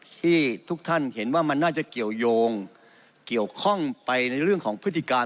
ที่ทุกท่านเห็นว่ามันน่าจะเกี่ยวยงเกี่ยวข้องไปในเรื่องของพฤติการ